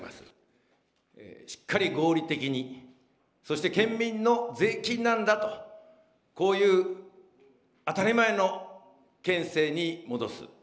しっかり合理的に、そして県民の税金なんだと、こういう当たり前の県政に戻す。